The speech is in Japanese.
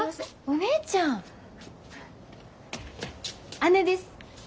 姉です。